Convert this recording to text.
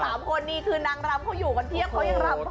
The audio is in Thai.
เราส่ามคนนี้คือนางรามเขูอยู่กันเทียกเขายังรามพร้อมกันเนี่ย